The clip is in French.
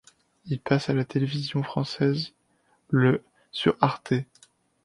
Il passe à la télévision française le sur Arte.